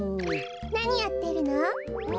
なにやってるの？